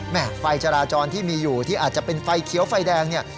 ไฟจราจรที่มีอยู่ที่อาจจะเป็นไฟเขียวไฟแดงเนี่ย